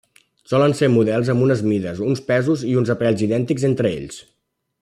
Solen ser models amb unes mides, uns pesos, i uns aparells idèntics entre ells.